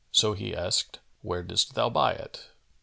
So he asked, "Where didst thou buy it?"